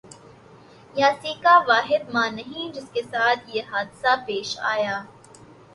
یاسیکا واحد ماں نہیں جس کے ساتھ یہ حادثہ پیش آیا